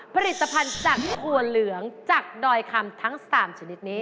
ผลิตภัณฑ์จากถั่วเหลืองจากดอยคำทั้ง๓ชนิดนี้